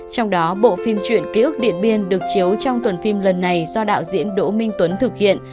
trong đó bộ phim truyện ký ức điện biên được chiếu trong tuần phim lần này do đạo diễn đỗ minh tuấn thực hiện